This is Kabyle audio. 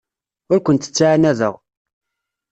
Ur kent-ttɛanadeɣ.